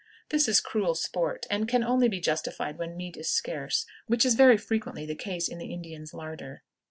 This is cruel sport, and can only be justified when meat is scarce, which is very frequently the case in the Indian's larder.